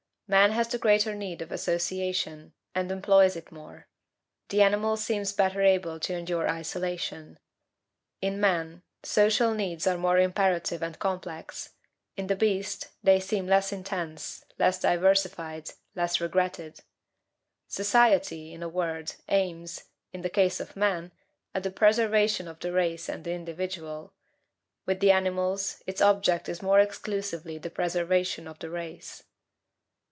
Man has the greater need of association, and employs it more; the animal seems better able to endure isolation. In man, social needs are more imperative and complex; in the beast, they seem less intense, less diversified, less regretted. Society, in a word, aims, in the case of man, at the preservation of the race and the individual; with the animals, its object is more exclusively the preservation of the race.